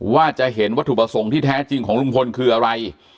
ว่าจะเห็นวัตถุประสงค์ที่แท้จริงของลุงพลคืออะไร